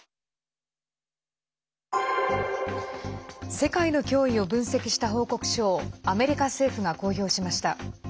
世界の脅威を分析した報告書をアメリカ政府が公表しました。